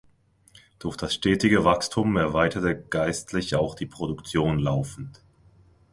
Durch das stetige Wachstum erweiterte Geistlich auch die Produktion laufend.